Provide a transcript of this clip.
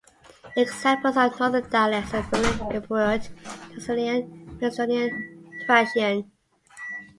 Examples of Northern dialects are Rumelian, Epirote, Thessalian, Macedonian, Thracian.